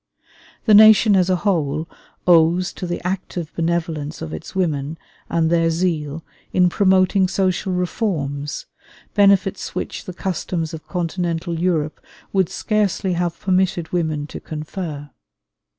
The nation as a whole owes to the active benevolence of its women, and their zeal in promoting social reforms, benefits which the customs of Continental Europe would scarcely have permitted women to confer.